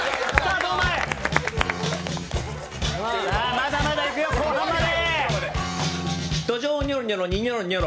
まだまだいくよ、後半まで。